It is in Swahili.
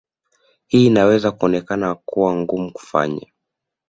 Hii inaweza ikaonekana kuwa ngumu kufanya